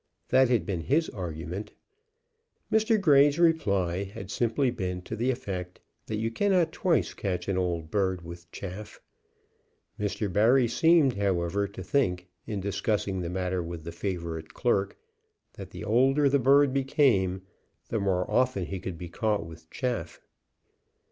That had been his argument. Mr. Grey's reply had simply been to the effect that you cannot twice catch an old bird with chaff. Mr. Barry seemed, however, to think, in discussing the matter with the favorite clerk, that the older the bird became, the more often he could be caught with chaff.